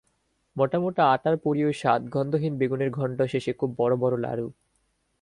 মোটা মোটা আটার পুরী ও স্বাদ-গন্ধহীন বেগুনের ঘণ্ট-শেষে খুব বড় বড় লাড়ু।